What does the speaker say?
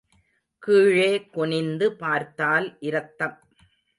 கீழே குனிந்து பார்த்தால் இரத்தம்.